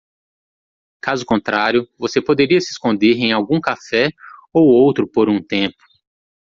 Caso contrário, você poderia se esconder em algum café ou outro por um tempo.